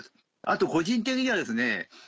あと個人的にはですね